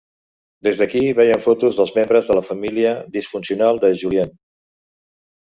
Des d'aquí, veiem fotos dels membres de la família disfuncional de Julien.